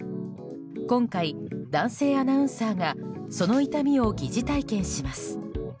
今回、男性アナウンサーがその痛みを疑似体験します。